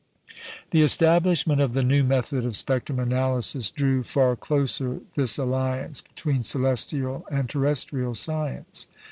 The establishment of the new method of spectrum analysis drew far closer this alliance between celestial and terrestrial science.